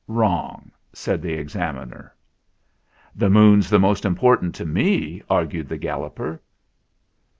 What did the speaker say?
"Wrong," said the Examiner. "The Moon's the most important to me," ar gued the Galloper.